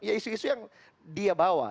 ya isu isu yang dia bawa